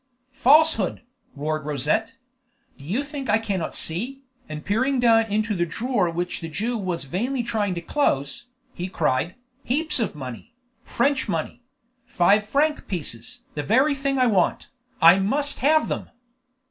"Falsehood!" roared Rosette. "Do you think I cannot see?" And peering down into the drawer which the Jew was vainly trying to close, he cried, "Heaps of money! French money! Five franc pieces! the very thing I want! I must have them!"